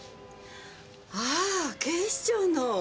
ああ警視庁の！